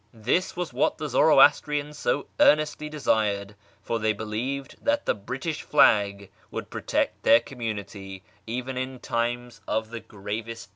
This was what the Zoroastrians .0 earnestly desired, for they believed that the British flag would jrotect their community even in times of the gravest danger.